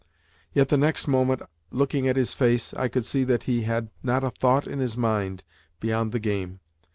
Yet the next moment, looking at his face, I could see that he had not a thought in his mind beyond the game.